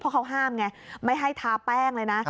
เพราะเขาห้ามไงไม่ให้ทาแป้งเลยนะ